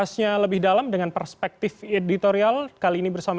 selamat malam bram